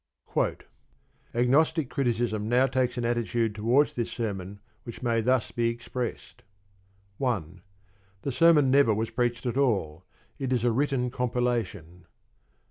Agnostic criticism now takes an attitude towards this sermon which may be thus expressed: 1. The sermon never was preached at all. It is a written compilation.